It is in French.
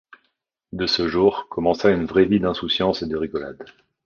De ce jour, commença une vraie vie d’insouciance et de rigolade.